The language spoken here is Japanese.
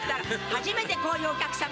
初めてこういうお客様！